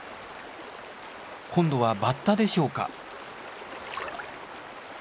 今度はバッタでしょうか？